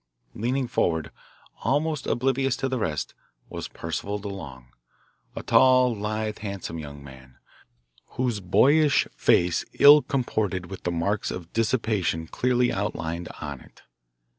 Leaning forward, almost oblivious to the rest, was Percival DeLong, a tall, lithe, handsome young man, whose boyish face ill comported with the marks of dissipation clearly outlined on it.